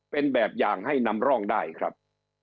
เป็นแบบอย่างให้นำร่องได้ครับ